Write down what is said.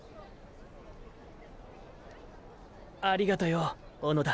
ありがとよ小野田。